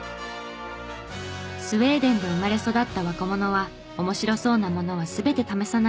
スウェーデンで生まれ育った若者は面白そうなものは全て試さないと気が済まない！